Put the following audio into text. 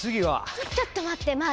ちょちょっと待ってマーティ！